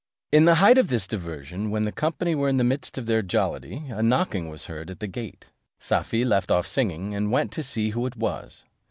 In the height of this diversion, when the company were in the midst of their jollity, a knocking was heard at the gate; Safie left off singing, and went to see who it was.